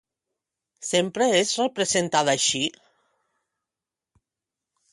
Sempre és representada així?